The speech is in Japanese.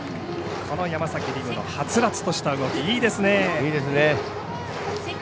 この山崎凌夢のはつらつとした動きいいですね。